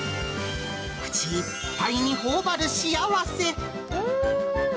口いっぱいにほおばる幸せ。